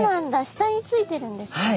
下についてるんですね。